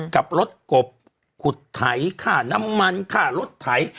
กับรถกบขุดไถค่าน้ำมันค่ารถไถ